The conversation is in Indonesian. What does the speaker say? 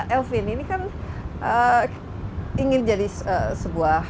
elvin ini kan ingin jadi sebuah